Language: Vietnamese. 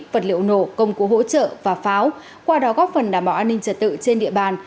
vật liệu nổ công cụ hỗ trợ và pháo qua đó góp phần đảm bảo an ninh trật tự trên địa bàn